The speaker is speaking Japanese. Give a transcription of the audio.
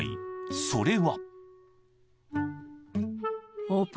それは］